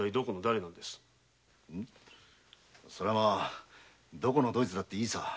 それはどこのどいつだっていいさ。